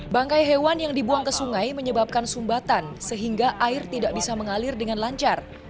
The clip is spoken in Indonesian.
bangkai hewan yang dibuang ke sungai menyebabkan sumbatan sehingga air tidak bisa mengalir dengan lancar